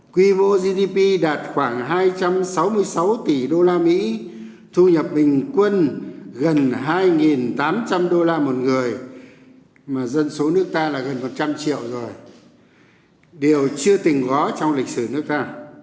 quy mô gdp đạt khoảng hai trăm sáu mươi sáu tỷ usd thu nhập bình quân gần hai tám trăm linh đô la một người mà dân số nước ta là gần một trăm linh triệu rồi điều chưa từng có trong lịch sử nước ta